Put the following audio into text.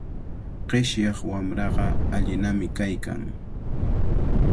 Qishyaq wamraqa allinami kaykan.